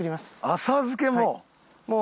浅漬けも？